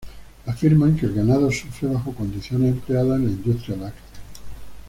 Afirman que el ganado sufre bajo condiciones empleadas en la industria láctea.